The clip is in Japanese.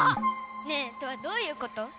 ねえトアどういうこと？